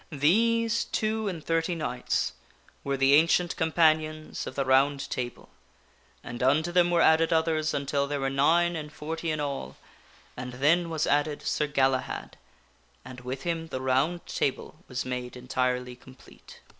These two and thirty knights were the Ancient Companions of the Round Table, and unto them were added others until there were nine and forty in all, and then was added Sir Galahad, and with him the Round Table was made entirely complete.